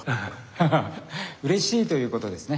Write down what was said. ハハッ「うれしい」ということですね？